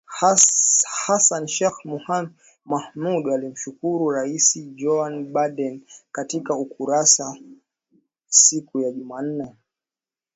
Hassan Sheikh Mohamud alimshukuru Raisi Joe Biden katika ukurasa siku ya Jumanne